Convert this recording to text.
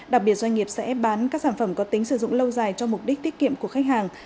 đặc biệt doanh nghiệp sẽ bán các sản phẩm có tính sử dụng lâu dài cho mục đích tiết kiệm của khách hàng